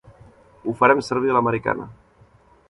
Ho farem servir a l'americana.